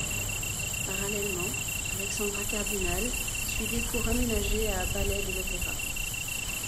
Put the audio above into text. Parallèlement, Alexandra Cardinale suit des cours aménagés à Ballet de l'Opéra.